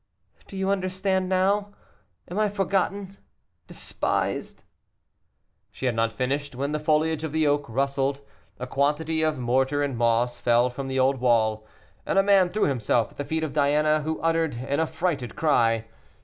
Do you understand now? Am I forgotten, despised " She had not finished when the foliage of the oak rustled, a quantity of mortar and moss fell from the old wall, and a man threw himself at the feet of Diana, who uttered an affrighted cry.